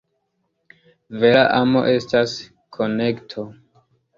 Vera amo estas konekto.